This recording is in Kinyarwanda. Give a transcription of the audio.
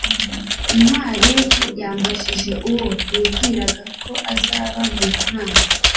ntwali yambajije uwo nibwiraga ko azaba mu nama